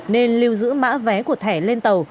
nên lưu giữ mã vé của thẻ lên tàu